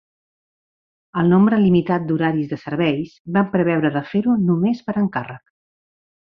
El nombre limitat d'horaris de serveis van preveure de fer-ho només per encàrrec.